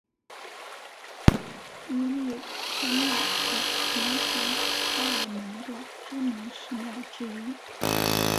毕力克庙是原察哈尔盟的知名寺庙之一。